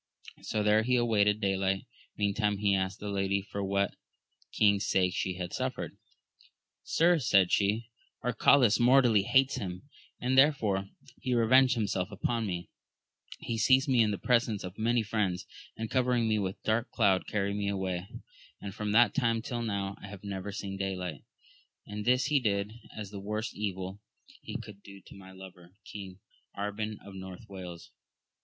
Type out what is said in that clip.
So there he awaited daylight; meantime he asked the lady, for what king's sake she had suffered. Sir, said . she, Arcalaus mortally hates him, and therefore re venged himself upon me; he seized me in the presence of many friends, and covering me with a dark cloud carried me away, and from that time till now I have never seen daylight ; and this he did as the worst evil he could do to my lover, King Arban of North Wales.